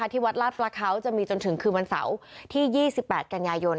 ที่วัดลาดประเขาจะมีจนถึงคืนวันเสาร์ที่๒๘กันยายน